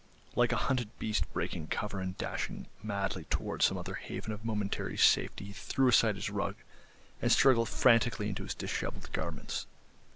Like a hunted beast breaking cover and dashing madly towards some other haven of momentary safety he threw aside his rug, and struggled frantically into his dishevelled garments.